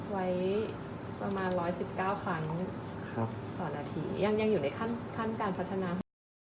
ไว้ประมาณ๑๑๙ครั้งต่อนาทียังอยู่ในขั้นการพัฒนาของเรา